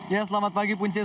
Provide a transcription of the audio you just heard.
ya selamat pagi puncil